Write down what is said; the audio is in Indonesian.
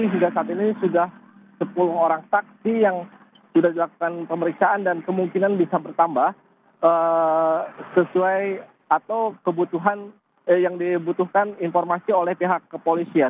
jadi hingga saat ini sudah sepuluh orang saksi yang sudah dilakukan pemeriksaan dan kemungkinan bisa bertambah sesuai atau kebutuhan yang dibutuhkan informasi oleh pihak kepolisian